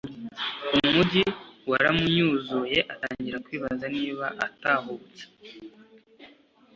umugi waramunyuzuye atangira kwibaza niba atahubutse